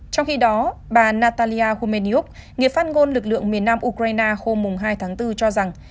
trong khi đó bà natalia khomenyuk nghiệp phát ngôn lực lượng miền nam ukraine hôm hai tháng bốn cho rằng